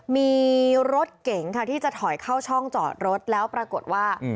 มีรถเก๋งค่ะที่จะถอยเข้าช่องจอดรถแล้วปรากฏว่า